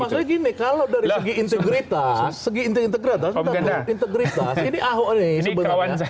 ya maksudnya gini kalau dari segi integritas ini ahok ini sebenarnya